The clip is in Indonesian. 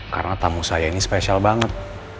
karena tamu saya ini spesial banget